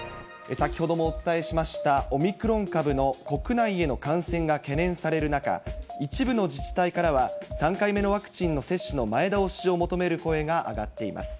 先ほどもお伝えしました、オミクロン株の国内への感染が懸念される中、一部の自治体からは、３回目のワクチンの接種の前倒しを求める声が上がっています。